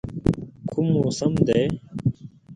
کوم موسم دی؟